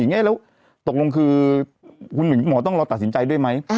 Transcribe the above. แล้วตกลงคือคุณหมอต้องรอตัดสินใจด้วยไหม